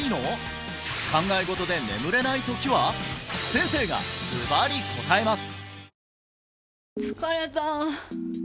先生がズバリ答えます！